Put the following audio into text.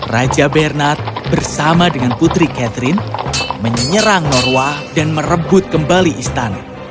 raja bernard bersama dengan putri catherine menyerang norwa dan merebut kembali istana